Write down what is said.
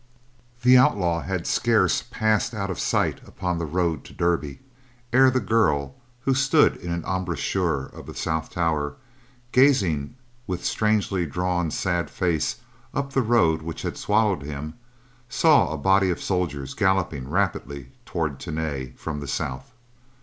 The outlaw had scarce passed out of sight upon the road to Derby ere the girl, who still stood in an embrasure of the south tower, gazing with strangely drawn, sad face up the road which had swallowed him, saw a body of soldiers galloping rapidly toward Tany from the south.